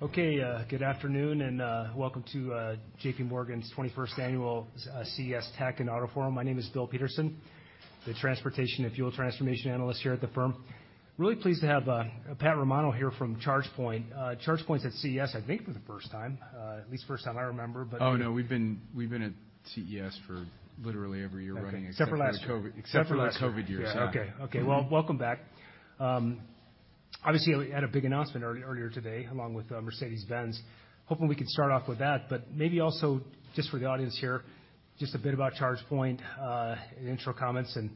Okay, good afternoon and welcome to JPMorgan's 21st annual CES Tech and Auto Forum. My name is Bill Peterson, the Transportation and Fuel Transformation Analyst here at the firm. Really pleased to have Pasquale Romano here from ChargePoint. ChargePoint's at CES, I think, for the first time, at least first time I remember. Oh, no, we've been, we've been at CES for literally every year running except for... Except for last year. Except for last year. Except for last year. The COVID years. Yeah. Okay. Okay. Well, welcome back. Obviously you had a big announcement earlier today, along with Mercedes-Benz. Hoping we could start off with that, but maybe also just for the audience here, just a bit about ChargePoint, intro comments and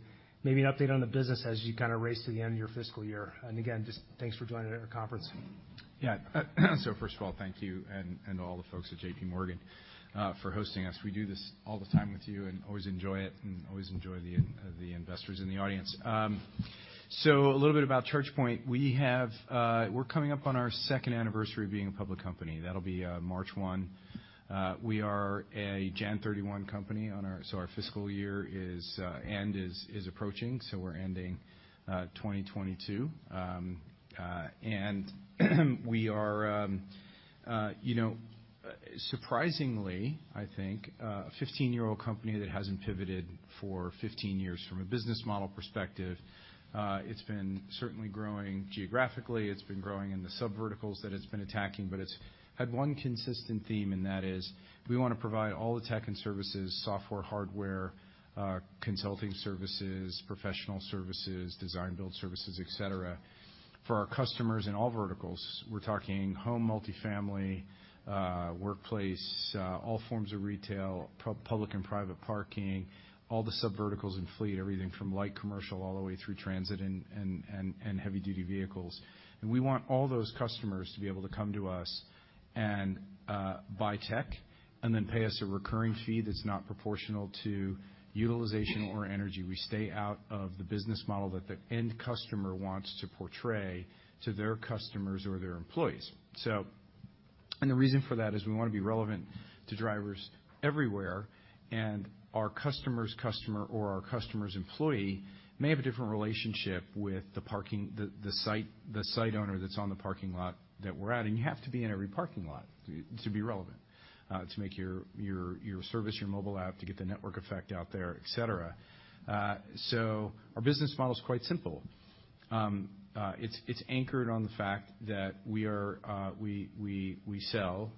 maybe an update on the business as you kind of race to the end of your fiscal year. Again, just thanks for joining our conference. Yeah. First of all, thank you and all the folks at JP Morgan for hosting us. We do this all the time with you and always enjoy it, and always enjoy the investors in the audience. A little bit about ChargePoint. We have, we're coming up on our second anniversary being a public company. That'll be March 1. We are a January 31 company. Our fiscal year end is approaching, we're ending 2022. We are, you know, surprisingly, I think a 15-year-old company that hasn't pivoted for 15 years from a business model perspective. It's been certainly growing geographically. It's been growing in the subverticals that it's been attacking, but it's had one consistent theme, and that is we wanna provide all the tech and services, software, hardware, consulting services, professional services, design build services, et cetera, for our customers in all verticals. We're talking home, multifamily, workplace, all forms of retail, public and private parking, all the subverticals and fleet, everything from light commercial all the way through transit and heavy-duty vehicles. We want all those customers to be able to come to us and buy tech and then pay us a recurring fee that's not proportional to utilization or energy. We stay out of the business model that the end customer wants to portray to their customers or their employees. The reason for that is we wanna be relevant to drivers everywhere, and our customer's customer or our customer's employee may have a different relationship with the parking, the site, the site owner that's on the parking lot that we're at. You have to be in every parking lot to be relevant to make your service, your mobile app, to get the network effect out there, et cetera. Our business model is quite simple. It's anchored on the fact that we sell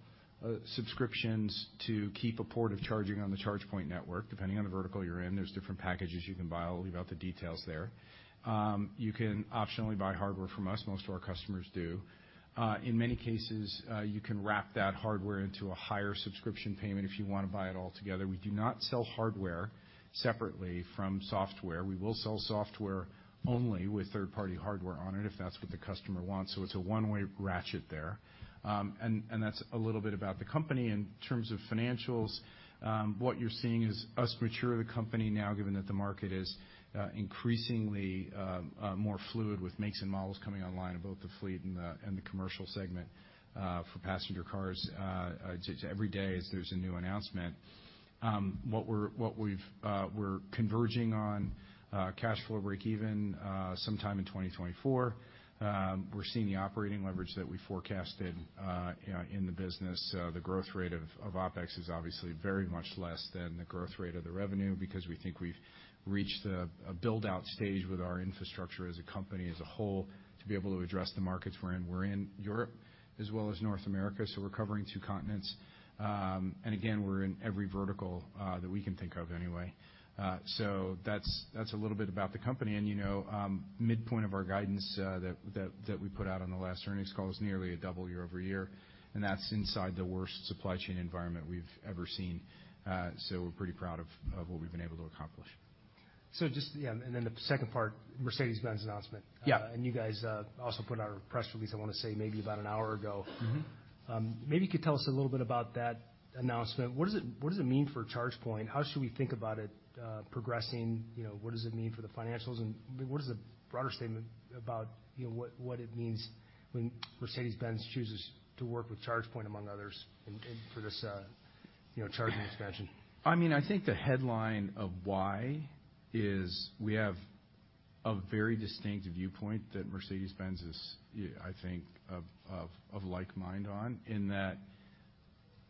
subscriptions to keep a port of charging on the ChargePoint network. Depending on the vertical you're in, there's different packages you can buy. I'll leave out the details there. You can optionally buy hardware from us. Most of our customers do. In many cases, you can wrap that hardware into a higher subscription payment if you wanna buy it all together. We do not sell hardware separately from software. We will sell software only with third-party hardware on it if that's what the customer wants. It's a one-way ratchet there. That's a little bit about the company. In terms of financials, what you're seeing is us mature the company now, given that the market is increasingly more fluid with makes and models coming online in both the fleet and the commercial segment for passenger cars just every day as there's a new announcement. What we've, we're converging on cash flow breakeven sometime in 2024. We're seeing the operating leverage that we forecasted, you know, in the business. The growth rate of OpEx is obviously very much less than the growth rate of the revenue because we think we've reached a build-out stage with our infrastructure as a company as a whole to be able to address the markets we're in. We're in Europe as well as North America, so we're covering two continents. Again, we're in every vertical that we can think of anyway. So that's a little bit about the company. You know, midpoint of our guidance that we put out on the last earnings call is nearly a double year-over-year, and that's inside the worst supply chain environment we've ever seen. We're pretty proud of what we've been able to accomplish. Just, yeah, and then the second part, Mercedes-Benz announcement. Yeah. You guys also put out a press release, I wanna say maybe about an hour ago. Mm-hmm. Maybe you could tell us a little bit about that announcement. What does it mean for ChargePoint? How should we think about it, progressing? You know, what does it mean for the financials? What is the broader statement about, you know, what it means when Mercedes-Benz chooses to work with ChargePoint among others and for this, you know, charging expansion? I mean, I think the headline of why is we have a very distinct viewpoint that Mercedes-Benz is, you know, of like mind in that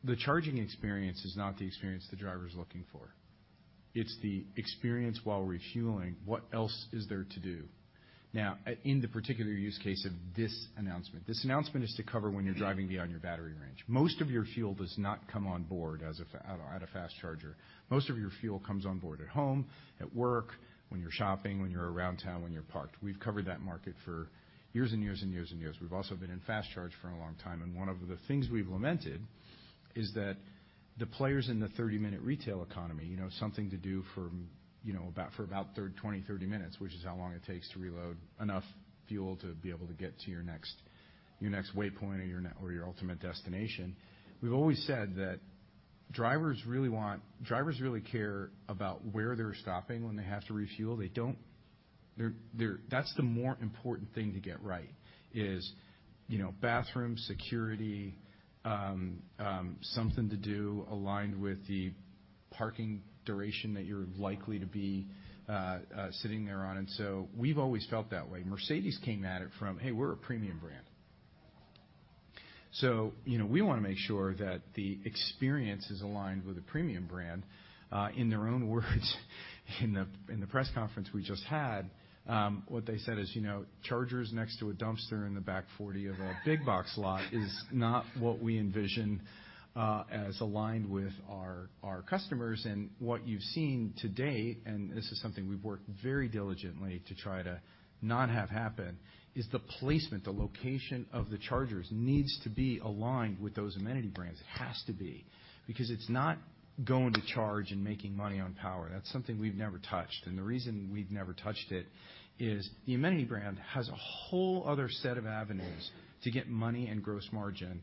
the charging experience is not the experience the driver's looking for. It's the experience while refueling. What else is there to do? In the particular use case of this announcement, this announcement is to cover when you're driving beyond your battery range. Most of your fuel does not come on board at a fast charger. Most of your fuel comes on board at home, at work, when you're shopping, when you're around town, when you're parked. We've covered that market for years. We've also been in fast charge for a long time, and one of the things we've lamented is that the players in the 30-minute retail economy, you know, something to do for, you know, for about 20, 30 minutes, which is how long it takes to reload enough fuel to be able to get to your next waypoint or your ultimate destination. We've always said that drivers really care about where they're stopping when they have to refuel. They don't. They're, that's the more important thing to get right is, you know, bathroom, security, something to do aligned with the parking duration that you're likely to be sitting there on. We've always felt that way. Mercedes came at it from, "Hey, we're a premium brand. you know, we wanna make sure that the experience is aligned with a premium brand." In their own words in the, in the press conference we just had, what they said is, you know, "Chargers next to a dumpster in the back 40 of a big box lot is not what we envision, as aligned with our customers." What you've seen to date, and this is something we've worked very diligently to try to not have happen, is the placement. The location of the chargers needs to be aligned with those amenity brands. It has to be, because it's not going to charge and making money on power. That's something we've never touched. The reason we've never touched it is the amenity brand has a whole other set of avenues to get money and gross margin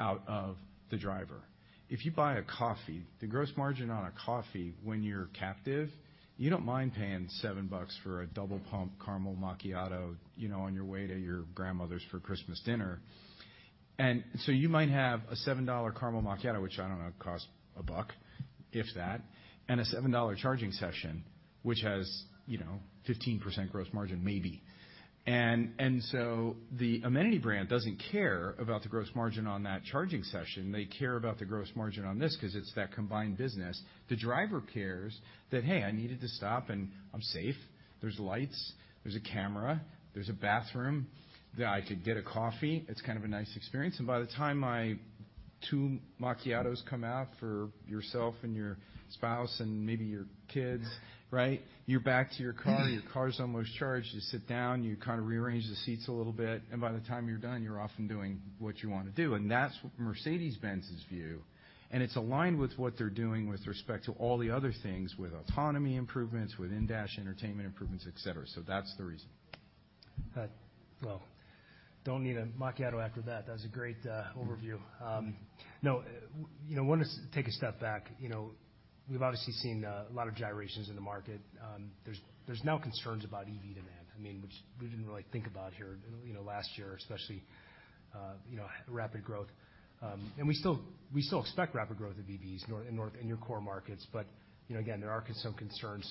out of the driver. If you buy a coffee, the gross margin on a coffee when you're captive, you don't mind paying $7 for a double pump caramel macchiato, you know, on your way to your grandmother's for Christmas dinner. You might have a $7 caramel macchiato, which I don't know, costs $1, if that, and a $7 charging session, which has, you know, 15% gross margin maybe. The amenity brand doesn't care about the gross margin on that charging session. They care about the gross margin on this 'cause it's that combined business. The driver cares that, "Hey, I needed to stop, and I'm safe. There's lights. There's a camera. There's a bathroom. That I could get a coffee. It's kind of a nice experience. By the time my two macchiatos come out for yourself and your spouse and maybe your kids, right? You're back to your car, your car's almost charged. You sit down, you kind of rearrange the seats a little bit, and by the time you're done, you're off and doing what you wanna do. That's Mercedes-Benz's view, and it's aligned with what they're doing with respect to all the other things with autonomy improvements, with in-dash entertainment improvements, et cetera. That's the reason. Well, don't need a macchiato after that. That was a great overview. Now, you know, want to take a step back. You know, we've obviously seen a lot of gyrations in the market. There's, there's now concerns about EV demand, I mean, which we didn't really think about here, you know, last year especially, you know, rapid growth. And we still, we still expect rapid growth of EVs in your core markets. You know, again, there are some concerns.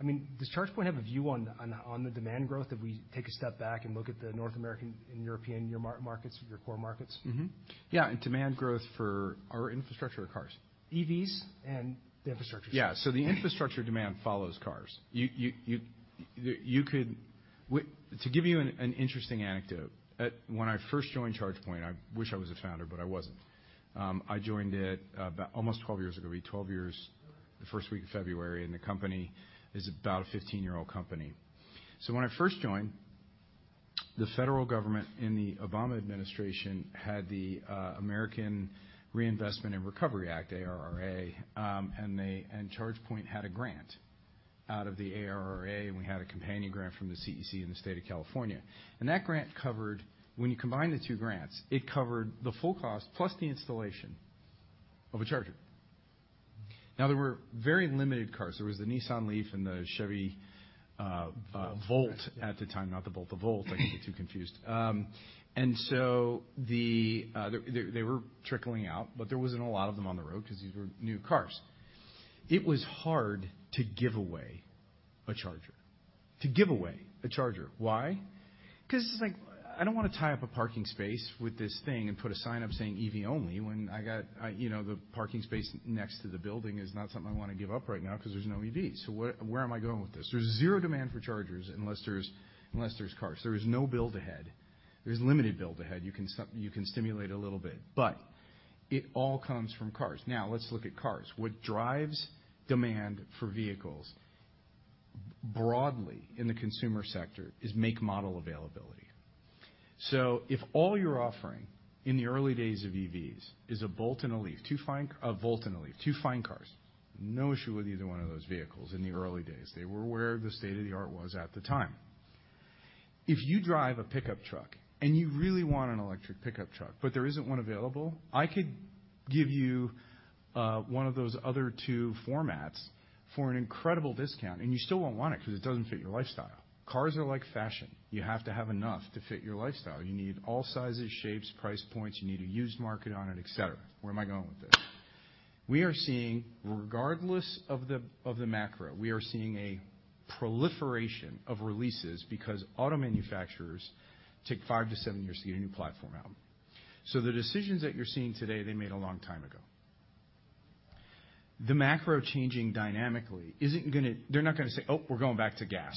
I mean, does ChargePoint have a view on the, on the demand growth if we take a step back and look at the North American and European, your markets, your core markets? Mm-hmm. Yeah, demand growth for our infrastructure or cars? EVs and the infrastructure. Yeah. The infrastructure demand follows cars. To give you an interesting anecdote. When I first joined ChargePoint, I wish I was a founder, but I wasn't. I joined it about almost 12 years ago. It'll be 12 years the first week of February, and the company is about a 15-year-old company. When I first joined, the federal government and the Obama administration had the American Recovery and Reinvestment Act, ARRA, and ChargePoint had a grant out of the ARRA, and we had a companion grant from the CEC in the state of California. When you combine the two grants, it covered the full cost plus the installation of a charger. Now, there were very limited cars. There was the Nissan LEAF and the Chevy. Volt ...Volt at the time. Not the Bolt, the Volt. I get the two confused. They were trickling out, but there wasn't a lot of them on the road 'cause these were new cars. It was hard to give away a charger. To give away a charger. Why? 'Cause it's like, I don't wanna tie up a parking space with this thing and put a sign up saying, "EV only," when I got, you know, the parking space next to the building is not something I wanna give up right now 'cause there's no EV. Where am I going with this? There's zero demand for chargers unless there's cars. There is no build ahead. There's limited build ahead. You can stimulate a little bit, but it all comes from cars. Let's look at cars. What drives demand for vehicles broadly in the consumer sector is make/model availability. If all you're offering in the early days of EVs is a Bolt and a LEAF, two fine cars, no issue with either one of those vehicles in the early days. They were where the state-of-the-art was at the time. If you drive a pickup truck, and you really want an electric pickup truck, but there isn't one available, I could give you one of those other two formats for an incredible discount, and you still won't want it 'cause it doesn't fit your lifestyle. Cars are like fashion. You have to have enough to fit your lifestyle. You need all sizes, shapes, price points. You need a used market on it, et cetera. Where am I going with this? We are seeing, regardless of the, of the macro, we are seeing a proliferation of releases because auto manufacturers take five to seven years to get a new platform out. The decisions that you're seeing today, they made a long time ago. The macro changing dynamically. They're not gonna say, "Oh, we're going back to gas."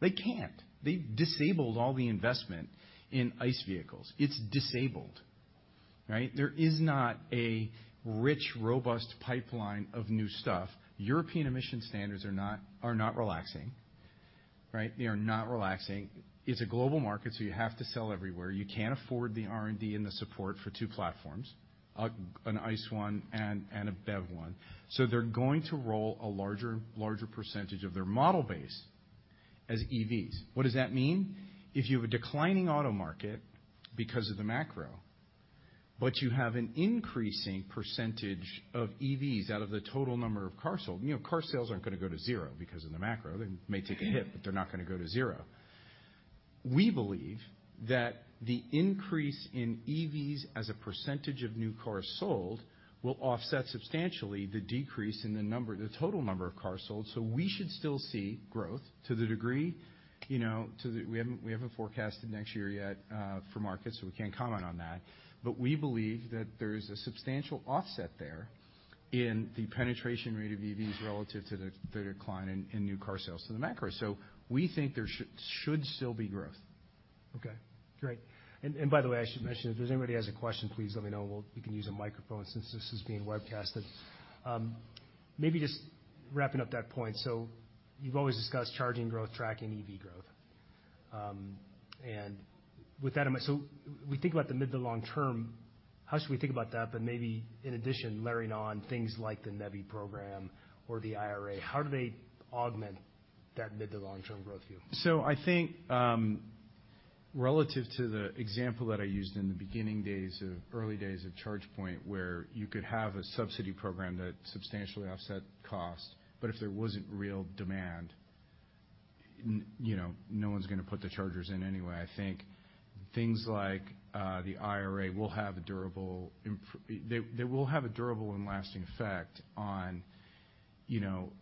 They can't. They've disabled all the investment in ICE vehicles. It's disabled, right? There is not a rich, robust pipeline of new stuff. European emission standards are not relaxing, right? They are not relaxing. It's a global market, you have to sell everywhere. You can't afford the R&D and the support for two platforms, an ICE one and a BEV one. They're going to roll a larger percentage of their model base as EVs. What does that mean? If you have a declining auto market because of the macro, but you have an increasing percentage of EVs out of the total number of cars sold, you know, car sales aren't gonna go to zero because of the macro. They may take a hit, but they're not gonna go to zero. We believe that the increase in EVs as a percentage of new cars sold will offset substantially the decrease in the total number of cars sold. We should still see growth to the degree, you know, we haven't forecasted next year yet for markets, so we can't comment on that. We believe that there is a substantial offset there in the penetration rate of EVs relative to the decline in new car sales to the macro. We think there should still be growth. Okay, great. By the way, I should mention, if there's anybody has a question, please let me know. You can use a microphone since this is being webcasted. Maybe just wrapping up that point. You've always discussed charging growth, tracking EV growth. And with that in mind, we think about the mid to long term, how should we think about that, but maybe in addition, layering on things like the NEVI program or the IRA, how do they augment that mid to long term growth view? I think, relative to the example that I used in the beginning days of early days of ChargePoint, where you could have a subsidy program that substantially offset cost, but if there wasn't real demand, you know, no one's gonna put the chargers in anyway. I think things like the IRA will have a durable and lasting effect on, you know,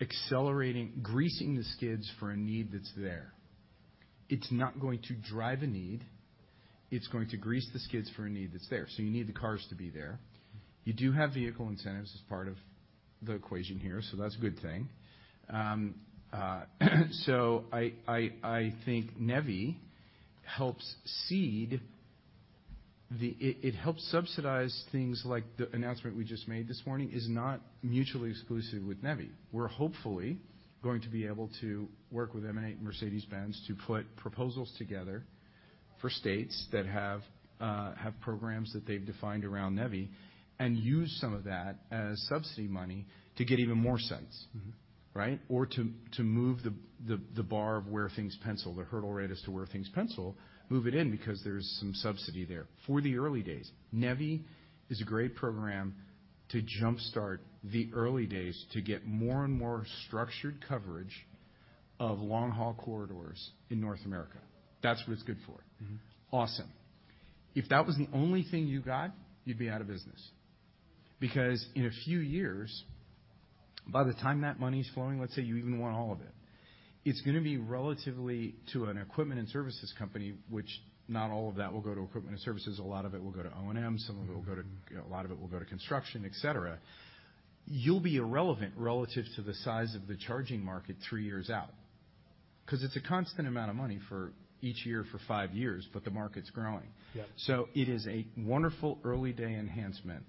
accelerating, greasing the skids for a need that's there. It's not going to drive a need. It's going to grease the skids for a need that's there. You need the cars to be there. You do have vehicle incentives as part of the equation here, so that's a good thing. I think NEVI helps subsidize things like the announcement we just made this morning is not mutually exclusive with NEVI. We're hopefully going to be able to work with MN8 Energy and Mercedes-Benz to put proposals together for states that have programs that they've defined around NEVI and use some of that as subsidy money to get even more sense. Mm-hmm. Right? To move the bar of where things pencil, the hurdle rate as to where things pencil, move it in because there's some subsidy there. For the early days, NEVI is a great program to jumpstart the early days to get more and more structured coverage of long-haul corridors in North America. That's what it's good for. Mm-hmm. Awesome. If that was the only thing you got, you'd be out of business because in a few years, by the time that money's flowing, let's say you even want all of it's gonna be relatively to an equipment and services company, which not all of that will go to equipment and services, a lot of it will go to O&M, some of it will go to, you know, a lot of it will go to construction, et cetera. You'll be irrelevant relative to the size of the charging market three years out 'cause it's a constant amount of money for each year for five years, but the market's growing. Yeah. It is a wonderful early day enhancement,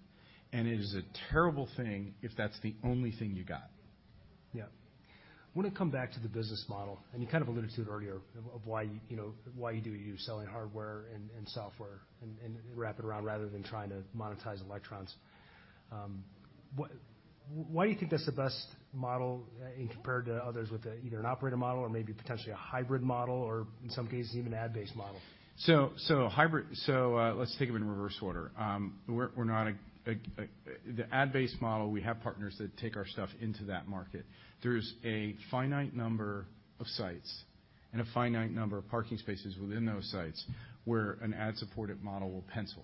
and it is a terrible thing if that's the only thing you got. Yeah. I wanna come back to the business model, and you kind of alluded to it earlier of why, you know, why you do what you're selling hardware and software and wrap it around rather than trying to monetize electrons. Why do you think that's the best model in compared to others with either an operator model or maybe potentially a hybrid model or in some cases even ad-based model? Let's take it in reverse order. We're not the ad-based model. We have partners that take our stuff into that market. There's a finite number of sites and a finite number of parking spaces within those sites where an ad-supported model will pencil.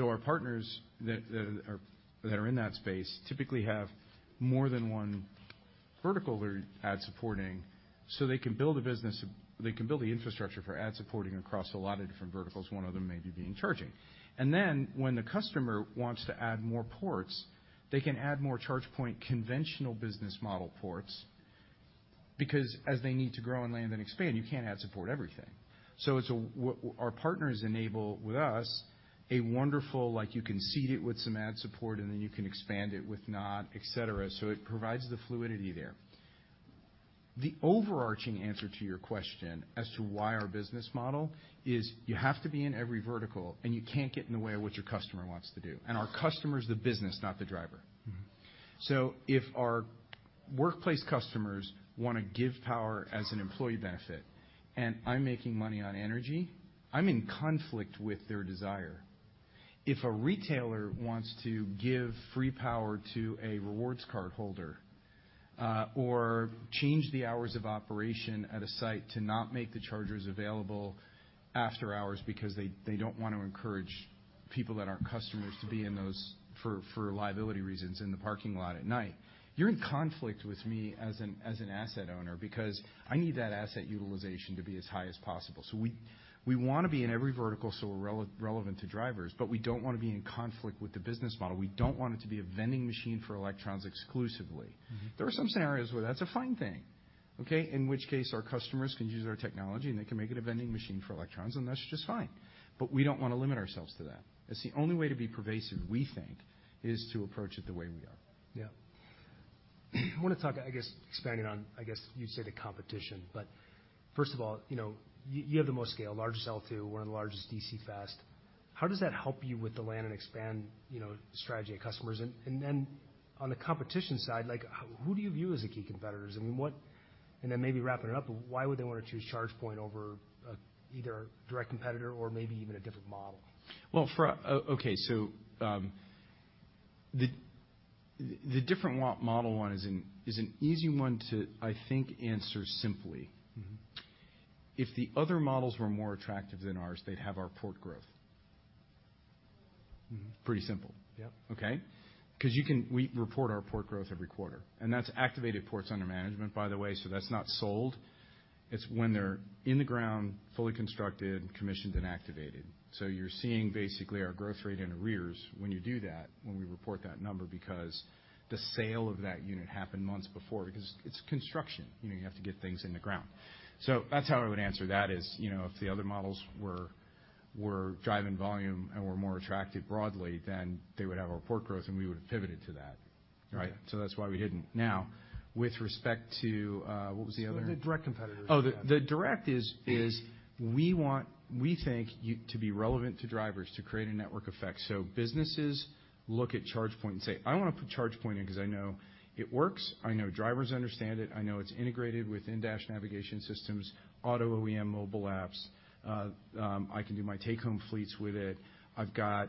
Our partners that are in that space typically have more than one vertical they're ad supporting, so they can build a business, they can build the infrastructure for ad supporting across a lot of different verticals, one of them maybe being charging. When the customer wants to add more ports, they can add more ChargePoint conventional business model ports, because as they need to grow and land and expand, you can't ad support everything. Our partners enable with us a wonderful, like you can seed it with some ad support, and then you can expand it with not, et cetera. It provides the fluidity there. The overarching answer to your question as to why our business model is you have to be in every vertical, and you can't get in the way of what your customer wants to do. Our customer is the business, not the driver. Mm-hmm. If our workplace customers wanna give power as an employee benefit, and I'm making money on energy, I'm in conflict with their desire. If a retailer wants to give free power to a rewards card holder, or change the hours of operation at a site to not make the chargers available after hours because they don't want to encourage people that aren't customers to be in those for liability reasons in the parking lot at night, you're in conflict with me as an asset owner because I need that asset utilization to be as high as possible. We wanna be in every vertical, so we're relevant to drivers, but we don't wanna be in conflict with the business model. We don't want it to be a vending machine for electrons exclusively. Mm-hmm. There are some scenarios where that's a fine thing, okay? In which case, our customers can use our technology, and they can make it a vending machine for electrons, and that's just fine. We don't wanna limit ourselves to that. It's the only way to be pervasive, we think, is to approach it the way we are. Yeah. I wanna talk, I guess, expanding on, I guess, you'd say the competition. First of all, you know, you have the most scale, largest L2, one of the largest DC fast. How does that help you with the land and expand, you know, strategy of customers? Then on the competition side, like who do you view as the key competitors? I mean, what. Then maybe wrapping it up, why would they wanna choose ChargePoint over either a direct competitor or maybe even a different model? Okay, The different model one is an easy one to, I think, answer simply. Mm-hmm. If the other models were more attractive than ours, they'd have our port growth. Mm-hmm. Pretty simple. Yep. Okay? 'Cause we report our port growth every quarter. That's activated ports under management, by the way, so that's not sold. It's when they're in the ground, fully constructed, commissioned, and activated. You're seeing basically our growth rate in arrears when you do that, when we report that number, because the sale of that unit happened months before because it's construction. You know, you have to get things in the ground. That's how I would answer that is, you know, if the other models were driving volume and were more attractive broadly, then they would have our port growth and we would have pivoted to that, right? Okay. that's why we didn't. Now, with respect to. The direct competitors. The direct is we want to be relevant to drivers, to create a network effect. Businesses look at ChargePoint and say, "I wanna put ChargePoint in 'cause I know it works. I know drivers understand it. I know it's integrated with in-dash navigation systems, auto OEM mobile apps. I can do my take-home fleets with it. I've got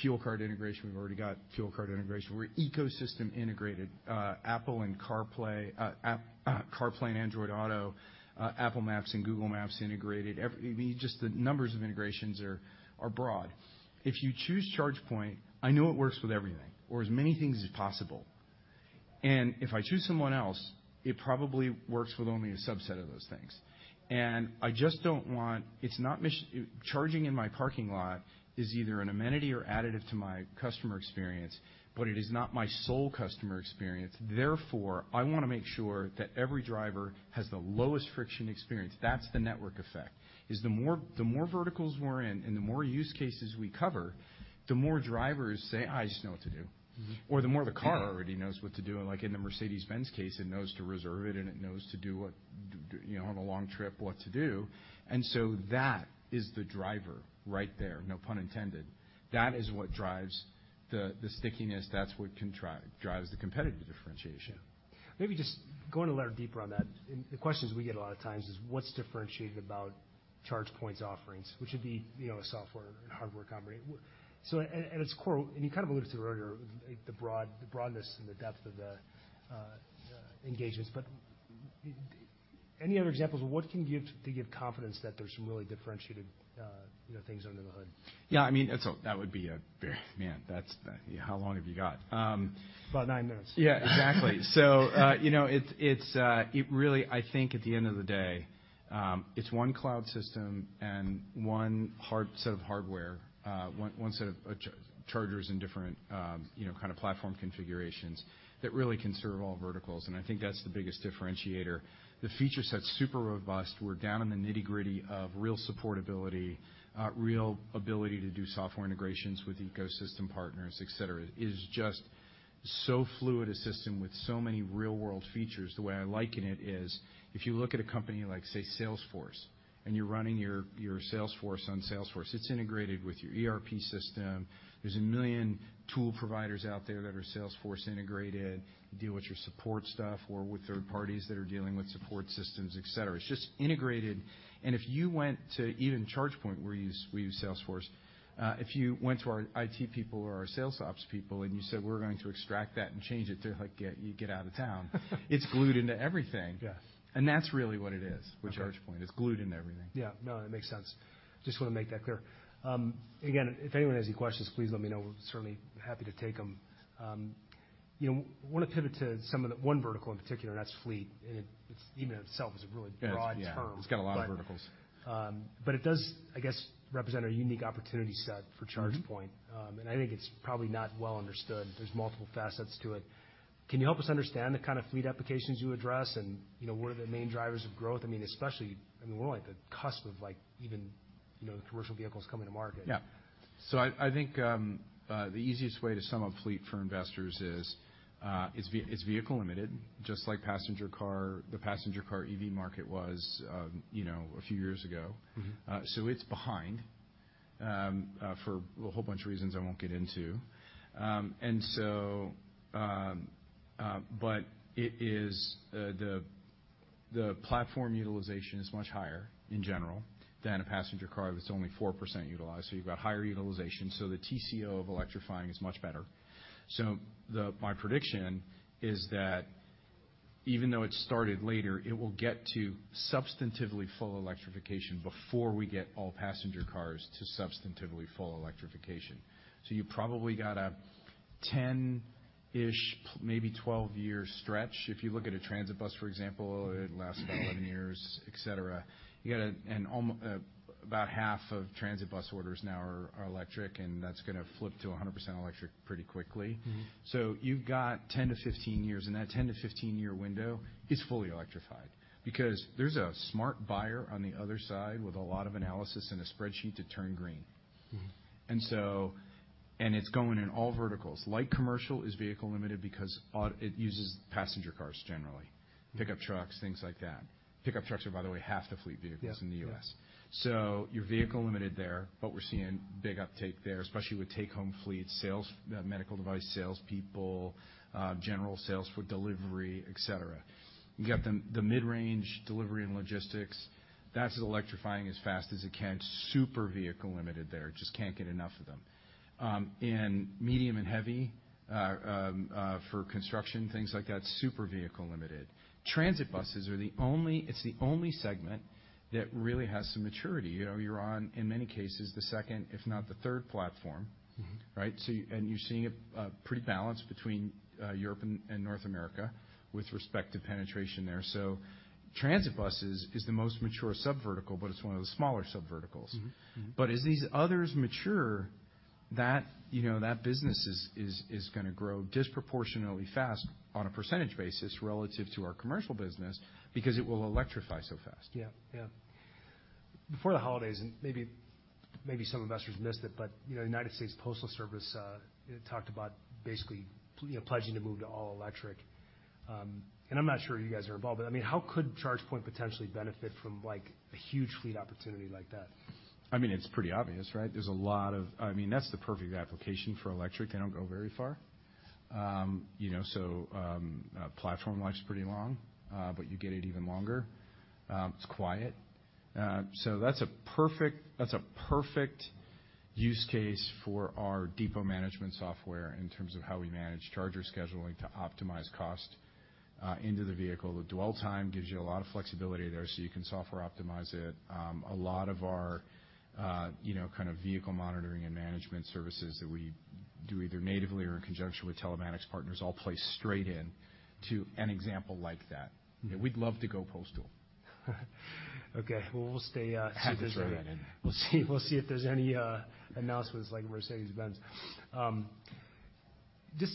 fuel card integration. We've already got fuel card integration. We're ecosystem integrated, Apple and CarPlay and Android Auto, Apple Maps and Google Maps integrated." I mean, just the numbers of integrations are broad. If you choose ChargePoint, I know it works with everything or as many things as possible. If I choose someone else, it probably works with only a subset of those things. I just don't want... Charging in my parking lot is either an amenity or additive to my customer experience, but it is not my sole customer experience. I wanna make sure that every driver has the lowest friction experience. That's the network effect, is the more verticals we're in and the more use cases we cover, the more drivers say, "I just know what to do. Mm-hmm. the more the car- Yeah. already knows what to do. Like in the Mercedes-Benz case, it knows to reserve it and it knows to do what, you know, on a long trip, what to do. That is the driver right there, no pun intended. That is what drives the stickiness. That's what drives the competitive differentiation. Yeah. Maybe just going a little deeper on that, and the questions we get a lot of times is what's differentiated about ChargePoint's offerings, which would be, you know, a software and hardware company. So at its core, and you kind of alluded to it earlier, like the broadness and the depth of the engagements. Any other examples of what can give, to give confidence that there's some really differentiated, you know, things under the hood? Yeah. I mean, it's That would be a very... Man, that's the... How long have you got? About nine minutes. Yeah, exactly. you know, it's, it really I think at the end of the day, it's one cloud system and one set of hardware, one set of chargers and different, you know, kind of platform configurations that really can serve all verticals. I think that's the biggest differentiator. The feature set's super robust. We're down in the nitty-gritty of real supportability, real ability to do software integrations with ecosystem partners, et cetera. It is just so fluid a system with so many real-world features. The way I liken it is, if you look at a company like, say, Salesforce, and you're running your Salesforce on Salesforce, it's integrated with your ERP system. There's 1 million tool providers out there that are Salesforce integrated, deal with your support stuff or with third parties that are dealing with support systems, et cetera. It's just integrated. If you went to even ChargePoint, we use Salesforce. If you went to our IT people or our sales ops people and you said, "We're going to extract that and change it," they're like, "Get out of town." It's glued into everything. Yeah. That's really what it is. Okay. with ChargePoint. It's glued into everything. Yeah. No, that makes sense. Just wanna make that clear. Again, if anyone has any questions, please let me know. We're certainly happy to take them. You know, wanna pivot to one vertical in particular, and that's fleet. It's even in itself is a really broad term. It's, yeah, it's got a lot of verticals. It does, I guess, represent a unique opportunity set for ChargePoint. Mm-hmm. I think it's probably not well understood. There's multiple facets to it. Can you help us understand the kind of fleet applications you address and, you know, what are the main drivers of growth? I mean, especially, I mean, we're like at the cusp of, like, even, you know, commercial vehicles coming to market. Yeah. I think, the easiest way to sum up fleet for investors is, it's vehicle limited, just like passenger car, the passenger car EV market was, you know, a few years ago. Mm-hmm. It's behind for a whole bunch of reasons I won't get into. It is the platform utilization is much higher in general than a passenger car that's only 4% utilized, you've got higher utilization, the TCO of electrifying is much better. My prediction is that even though it started later, it will get to substantively full electrification before we get all passenger cars to substantively full electrification. You probably got a ten-ish, maybe twelve-year stretch. If you look at a transit bus, for example, it lasts about 11 years, et cetera. You got about half of transit bus orders now are electric, and that's gonna flip to 100% electric pretty quickly. Mm-hmm. You've got 10 to 15 years, and that 10 to 15-year window is fully electrified because there's a smart buyer on the other side with a lot of analysis and a spreadsheet to turn green. Mm-hmm. It's going in all verticals. Light commercial is vehicle-limited because it uses passenger cars generally, pickup trucks, things like that. Pickup trucks are, by the way, half the fleet vehicles in the U.S. Yeah, yeah. You're vehicle limited there, but we're seeing big uptake there, especially with take-home fleets, sales, medical device sales people, general sales for delivery, et cetera. You got the mid-range delivery and logistics. That's electrifying as fast as it can. Super vehicle limited there. Just can't get enough of them. In medium and heavy, for construction, things like that, super vehicle limited. Transit buses are the only segment that really has some maturity. You know, you're on, in many cases, the second, if not the third platform. Mm-hmm. Right? you're seeing a pretty balance between Europe and North America with respect to penetration there. transit buses is the most mature sub-vertical, but it's one of the smaller sub-verticals. Mm-hmm, mm-hmm. As these others mature, that, you know, that business is gonna grow disproportionately fast on a percentage basis relative to our commercial business because it will electrify so fast. Yeah, yeah. Before the holidays, maybe some investors missed it, but you know, United States Postal Service talked about basically, you know, pledging to move to all electric. I'm not sure you guys are involved, but I mean, how could ChargePoint potentially benefit from like a huge fleet opportunity like that? I mean, it's pretty obvious, right? I mean, that's the perfect application for electric. They don't go very far. you know, so, platform life's pretty long, but you get it even longer. It's quiet. That's a perfect use case for our depot management software in terms of how we manage charger scheduling to optimize cost, into the vehicle. The dwell time gives you a lot of flexibility there, so you can software optimize it. A lot of our, you know, kind of vehicle monitoring and management services that we do either natively or in conjunction with telematics partners all play straight in to an example like that. Okay. We'd love to go postal. Okay. Well, we'll stay, Had to throw that in there. We'll see if there's any announcements like Mercedes-Benz. Just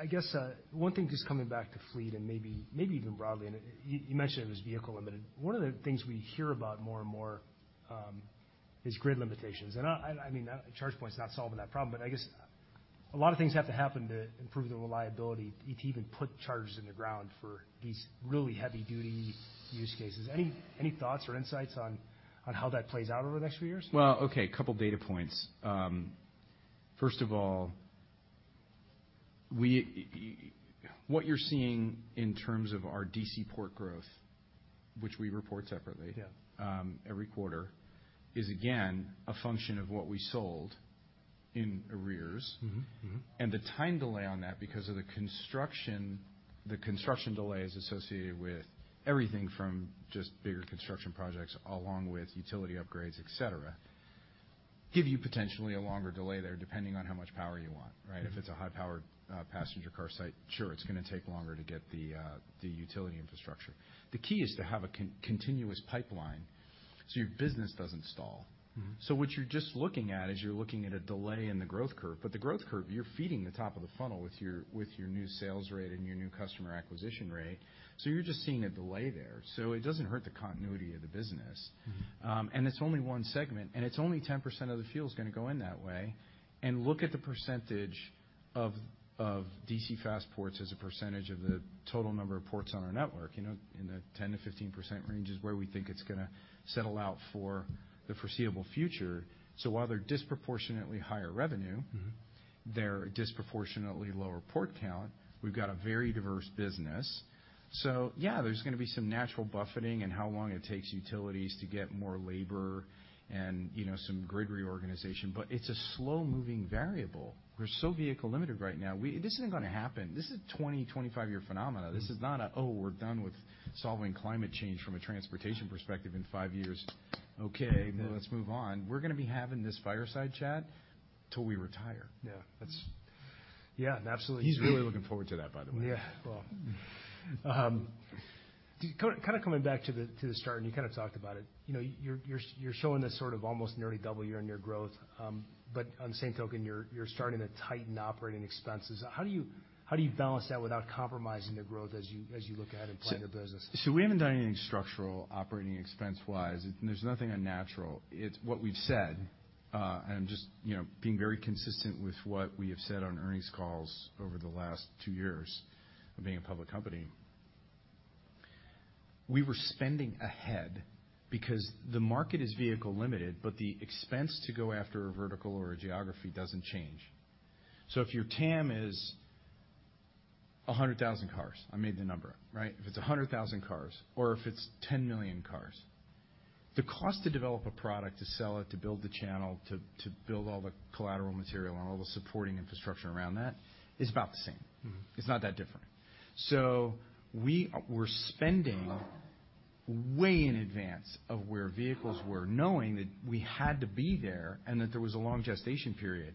I guess one thing just coming back to fleet and maybe even broadly, and you mentioned it was vehicle limited. One of the things we hear about more and more is grid limitations. I mean, ChargePoint's not solving that problem, but I guess a lot of things have to happen to improve the reliability to even put chargers in the ground for these really heavy-duty use cases. Any thoughts or insights on how that plays out over the next few years? Well, okay, a couple data points. First of all, what you're seeing in terms of our D.C. port growth, which we report separately. Yeah... every quarter, is again a function of what we sold in arrears. Mm-hmm, mm-hmm. The time delay on that because of the construction, the construction delays associated with everything from just bigger construction projects along with utility upgrades, et cetera, give you potentially a longer delay there depending on how much power you want, right? If it's a high-powered passenger car site, sure, it's gonna take longer to get the utility infrastructure. The key is to have a continuous pipeline, so your business doesn't stall. Mm-hmm. What you're just looking at is you're looking at a delay in the growth curve, but the growth curve, you're feeding the top of the funnel with your, with your new sales rate and your new customer acquisition rate. You're just seeing a delay there. It doesn't hurt the continuity of the business. Mm-hmm. It's only one segment, it's only 10% of the fuel's gonna go in that way. Look at the percentage of DC fast ports as a percentage of the total number of ports on our network, you know. In the 10%-15% range is where we think it's gonna settle out for the foreseeable future. While they're disproportionately higher revenue- Mm-hmm they're disproportionately lower port count. We've got a very diverse business. Yeah, there's gonna be some natural buffeting in how long it takes utilities to get more labor and, you know, some grid reorganization, but it's a slow-moving variable. We're so vehicle limited right now. This isn't gonna happen. This is 20, 25-year phenomena. This is not a, "Oh, we're done with solving climate change from a transportation perspective in 5 years. Okay, now let's move on." We're gonna be having this fireside chat till we retire. Yeah. Yeah, absolutely. He's really looking forward to that, by the way. Yeah. Well, kind of coming back to the start, and you kind of talked about it. You know, you're showing this sort of almost nearly double year-on-year growth. On the same token, you're starting to tighten operating expenses. How do you balance that without compromising the growth as you look ahead and plan your business? We haven't done anything structural OpEx-wise. There's nothing unnatural. It's what we've said, and just, you know, being very consistent with what we have said on earnings calls over the last two years of being a public company. We were spending ahead because the market is vehicle limited, but the expense to go after a vertical or a geography doesn't change. If your TAM is 100,000 cars, I made the number up, right? If it's 100,000 cars or if it's 10 million cars, the cost to develop a product, to sell it, to build the channel, to build all the collateral material and all the supporting infrastructure around that is about the same. Mm-hmm. It's not that different. We were spending way in advance of where vehicles were, knowing that we had to be there and that there was a long gestation period.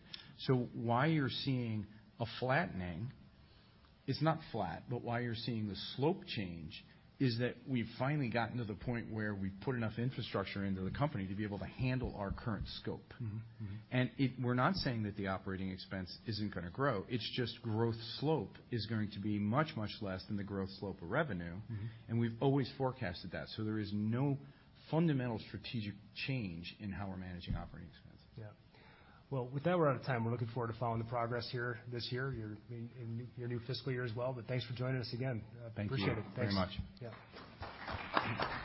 Why you're seeing a flattening, it's not flat, but why you're seeing the slope change is that we've finally gotten to the point where we put enough infrastructure into the company to be able to handle our current scope. Mm-hmm. Mm-hmm. We're not saying that the operating expense isn't gonna grow. It's just growth slope is going to be much, much less than the growth slope of revenue. Mm-hmm. We've always forecasted that. There is no fundamental strategic change in how we're managing operating expenses. Yeah. Well, with that, we're out of time. We're looking forward to following the progress here this year, your new fiscal year as well. Thanks for joining us again. Thank you. Appreciate it. Thanks. Very much. Yeah. That's good. Thanks. Thanks. Yeah.